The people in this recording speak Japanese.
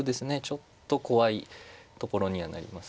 ちょっと怖いところにはなります。